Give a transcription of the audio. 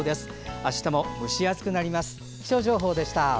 あしたも蒸し暑くなります。